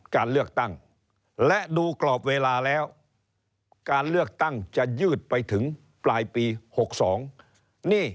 การเลือกตั้งและดูกรอบเวลาแล้วการเลือกตั้งจะยืดไปถึงปลายปี๖๒นี่